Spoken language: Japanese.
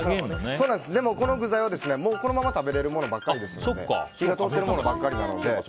この具材はこのまま食べられるものばっかりなので火が通っているものばかりなので。